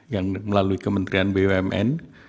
yang melalui kementerian bumn